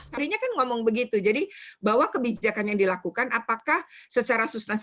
tadinya kan ngomong begitu jadi bahwa kebijakan yang dilakukan apakah secara substansi